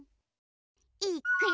いっくよ！